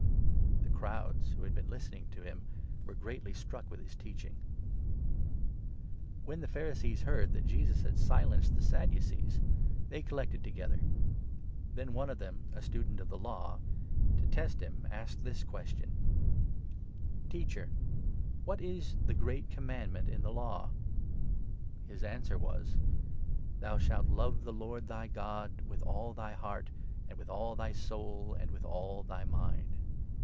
The crowds, who had been listening to him, were greatly 33 struck with his teaching. The oreat When the Pharisees heard that Jesus had 34 command silenced the Sadducees, they collected together. mont. Then one of them, a Student of the Law, to test 35 him, asked this question — "Teacher, what is the great commandment in the Law?" 36 His answer was : 37 "' Thou shalt love the Lord thy God wjth all thy heart, and with all thy soul, and with all thy mind.'